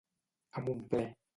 A mon pler.